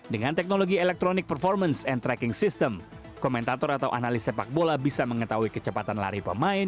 dengan teknologi electronic performance and tracking system komentator atau analis sepak bola bisa mengetahui kecepatan lari pemain